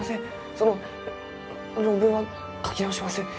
その論文は書き直します。